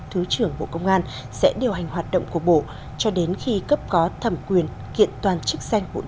thứ trưởng bộ công an sẽ điều hành hoạt động của bộ cho đến khi cấp có thẩm quyền kiện toàn chức danh bộ